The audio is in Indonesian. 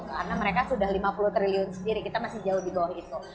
karena mereka sudah lima puluh triliun sendiri kita masih jauh di bawah itu